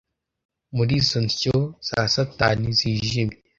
Muri izo nsyo za satani zijimye?